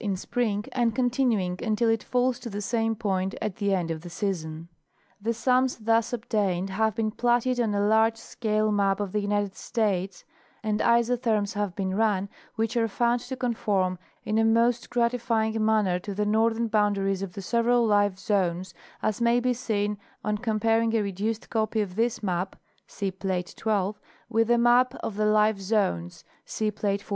in spring and continuing until it falls to Geographic Distribution of Life. 233 the same point at the end of the season. The sums thus ob tained have been platted on a large scale map of the United States,* and isotherms have been run which are found to con form in a most gratifying manner to the northern boundaries of the several life zones, as may be seen on comparing a reduced copy of this map (see plate 12) with a map of the life zones (see plate 14).